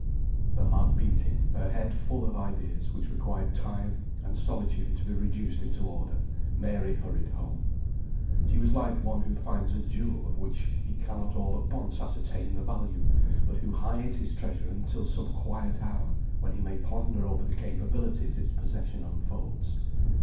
Her heart beating, her head full of ideas, which required time and solitude to be reduced into order, Mary hurried home. She was like one who finds a jewel of which he cannot all at once ascertain the value, but who hides his treasure until some quiet hour when he may ponder over the capabilities its possession unfolds.